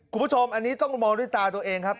คุณผู้ชมอันนี้ต้องมองด้วยตาตัวเองครับ